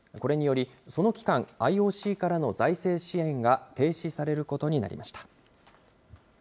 これによりその期間、ＩＯＣからの財政支援が停止されることになりました。